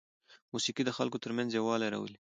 موسیقي د خلکو ترمنځ یووالی راولي.